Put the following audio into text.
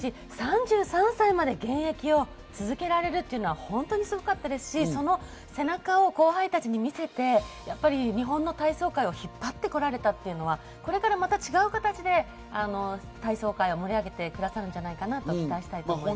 ３３歳まで現役を続けられるというのは本当にすごかったですし、その背中を後輩たちに見せて日本の体操界を引っ張ってこられたというのはこれからまた違う形で体操界を盛り上げてくださるんじゃないかと思います。